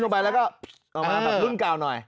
ออกมาแบบรุ่นกล่าวหน่อย